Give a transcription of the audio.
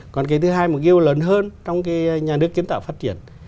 còn cái thứ hai mà ghiêu lớn hơn trong nhà nước kiến tạo phát triển